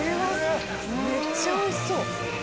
めっちゃおいしそう！